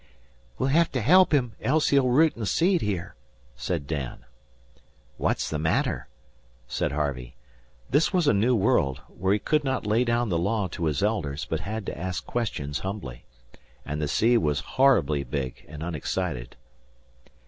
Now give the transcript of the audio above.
"We'll hev to help him, else he'll root an' seed here," said Dan. "What's the matter?" said Harvey. This was a new world, where he could not lay down the law to his elders, but had to ask questions humbly. And the sea was horribly big and unexcited.